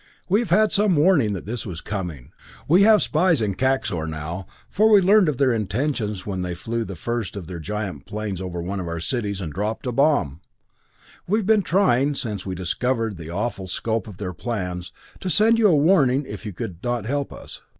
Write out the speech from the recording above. "We have had some warning that this was coming. We have spies in Kaxor now, for we learned of their intentions when they flew the first of their giant planes over one of our cities and dropped a bomb! We have been trying, since we discovered the awful scope of their plans, to send you a warning if you could not help us.